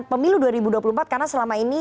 pemilu dua ribu dua puluh empat karena selama ini